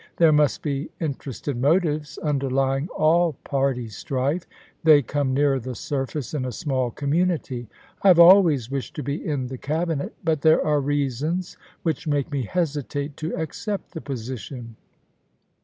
There must be interested motives underlying all party strife; they come nearer the surface in a small community. I have always wished to be in the Cabinet, but there are reasons which make me hesitate to accept the position.